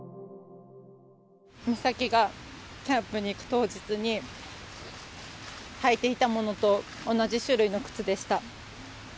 美咲がキャンプに行く当日に履いていたものと同じ種類の靴でした。